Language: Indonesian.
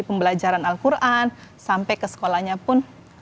pembelajaran al quran sampai ke sekolahnya pun